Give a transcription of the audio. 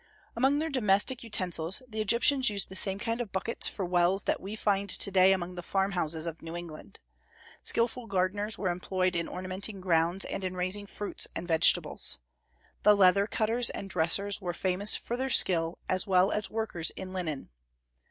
Among their domestic utensils the Egyptians used the same kind of buckets for wells that we find to day among the farmhouses of New England. Skilful gardeners were employed in ornamenting grounds and in raising fruits and vegetables. The leather cutters and dressers were famous for their skill, as well as workers in linen.